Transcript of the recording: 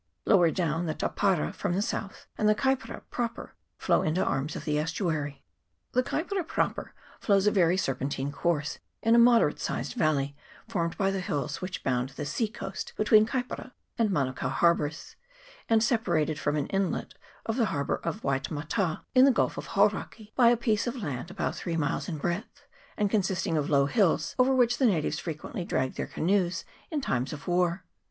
Lower down the Tapara from the south and the Kaipara proper flow into arms of the estuary. The Kaipara proper follows a very serpentine course in a moderate sized valley formed by the hills which bound the sea coast be tween Kaipara and Manukao harbours, and separated from an inlet of the harbour of Waitemata, in the gulf of Hauraki, by a piece of land about three miles in breadth, and consisting of low hills, over which the natives frequently dragged their canoes in times of war.